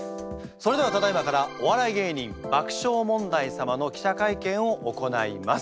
それではただいまからお笑い芸人爆笑問題様の記者会見を行います。